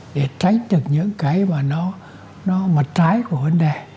để tránh được những cái mà nó mặt trái của vấn đề